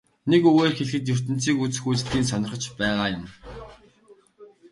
Нэг үгээр хэлэхэд ертөнцийг үзэх үзлий нь сонирхож байгаа юм.